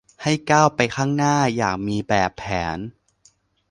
ให้ก้าวไปข้างหน้าอย่างมีแบบแผน